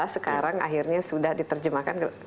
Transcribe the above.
sekarang akhirnya sudah diterjemahkan